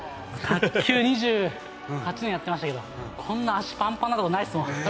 卓球２８年やってましたけどこんな脚パンパンになったことないっすもん。